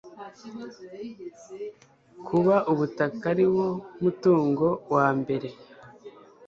kuba ubutaka ariwo mutungo wa mbere